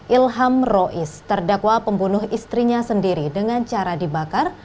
ilham rois terdakwa pembunuh istrinya sendiri dengan cara dibakar